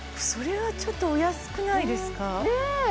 それはちょっとお安くないですかね！